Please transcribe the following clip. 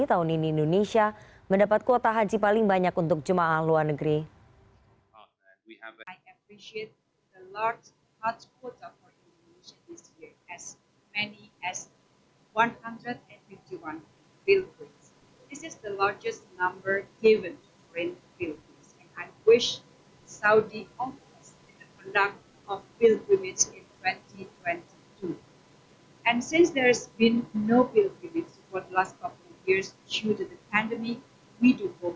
tahun ini indonesia mendapat kuota haji paling banyak untuk jemaah luar negeri